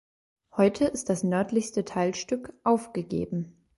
Heute ist das nördlichste Teilstück aufgegeben.